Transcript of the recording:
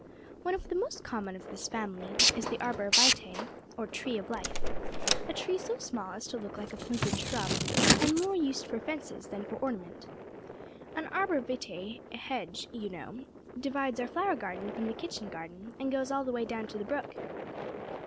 One of the most common of this family is the arbor vitae, or tree of life a tree so small as to look like a pointed shrub, and more used for fences than for ornament. An arbor vitae hedge, you know, divides our flower garden from the kitchen garden and goes all the way down to the brook."